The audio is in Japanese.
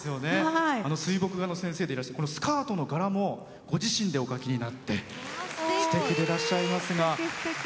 水墨画の先生でいらっしゃってこのスカートの柄もご自身でお描きになってすてきでらっしゃいますが。